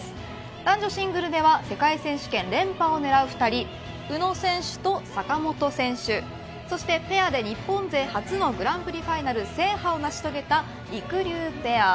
男女シングルでは世界選手権連覇を狙う２人宇野選手と坂本選手そしてペアで日本勢初のグランプリファイナル制覇を成し遂げたりくりゅうペア。